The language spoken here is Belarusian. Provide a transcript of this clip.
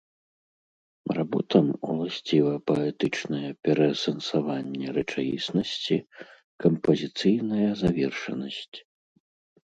Работам уласціва паэтычнае пераасэнсаванне рэчаіснасці, кампазіцыйная завершанасць.